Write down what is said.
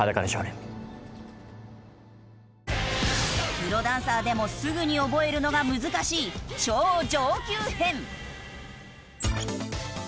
プロダンサーでもすぐに覚えるのが難しい超上級編。